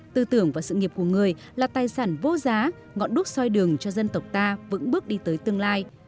tư tưởng và sự nghiệp của người là tài sản vô giá ngọn đuốc soi đường cho dân tộc ta vững bước đi tới tương lai